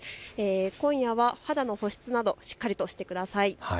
今夜は肌の保湿などしっかりとしてください。